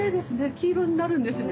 黄色になるんですね。